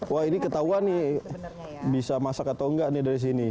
wah ini ketahuan nih bisa masak atau enggak nih dari sini